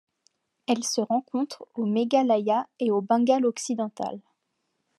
Elle se rencontre au Meghalaya et au Bengale-Occidental.